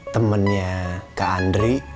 temennya kak andri